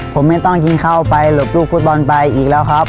ผมไม่ต้องกินข้าวไปหลบลูกฟุตบอลไปอีกแล้วครับ